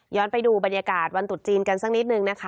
ไปดูบรรยากาศวันตุดจีนกันสักนิดนึงนะคะ